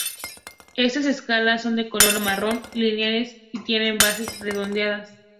Estas escalas son de color marrón, lineales y tienen bases redondeadas.